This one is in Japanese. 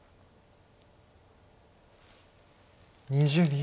２０秒。